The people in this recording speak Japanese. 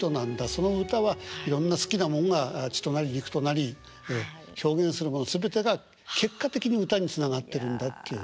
その歌はいろんな好きなもんが血となり肉となり表現するもの全てが結果的に歌につながってるんだっていうね。